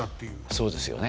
そうですよね。